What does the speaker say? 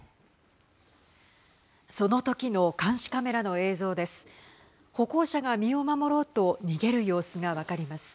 そのときの監視カメラの映像です。